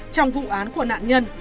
trong vụ án của nạn nhân